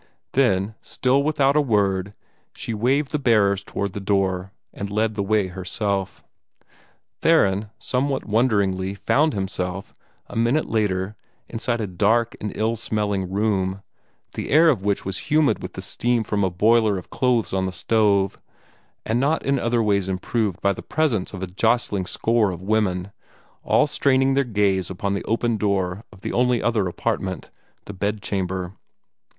Then, still without a word, she waved the bearers toward the door, and led the way herself. Theron, somewhat wonderingly, found himself, a minute later, inside a dark and ill smelling room, the air of which was humid with the steam from a boiler of clothes on the stove, and not in other ways improved by the presence of a jostling score of women, all straining their gaze upon the open door of the only other apartment the bed chamber.